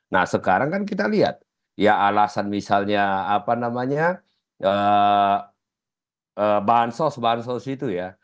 nah sekarang kan kita lihat ya alasan misalnya apa namanya bahan sos bansos itu ya